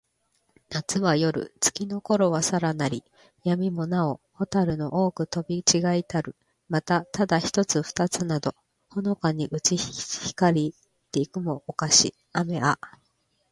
夏なつは、夜よる。月つきのころはさらなり。闇やみもなほ、蛍ほたるの多おほく飛とびちがひたる。また、ただ一ひとつ二ふたつなど、ほのかにうち光ひかりて行いくも、をかし。雨あめなど降ふるも、をかし。